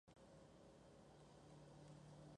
Los tres goles fueron por pases de Jermaine Pennant.